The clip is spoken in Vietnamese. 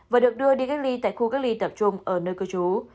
và được đưa đi cách ly tại khu cách ly tập trung ở nơi cư trú